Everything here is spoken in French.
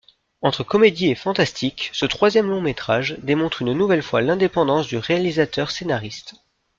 Entre comédie et fantastique, ce troisième long-métrage démontre une nouvelle fois l'indépendance du réalisateur-scénariste.